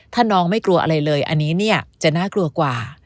ถ้าน้องไม่กลัวอะไรเลยอันนี้เนี่ยจะน่ากลัวกว่า